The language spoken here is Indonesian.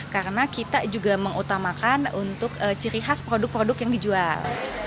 karena kita juga mengutamakan untuk ciri khas produk produk yang dijual